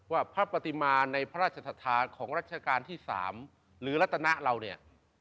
ว่าพระปฏิมาในพระราชศรัทธาของรัชกาลที่๓หรือรัตนาเราเนี่ย